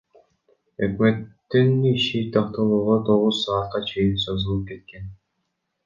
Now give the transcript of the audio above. Өкмөттүн ишин талкуулоо тогуз саатка чейин созулуп кеткен.